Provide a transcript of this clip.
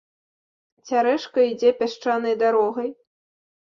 Цярэшка ідзе пясчанай дарогай.